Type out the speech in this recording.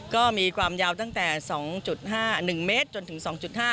ก็มีความยาวตั้งแต่๒๕๑เมตรจนถึง๒๕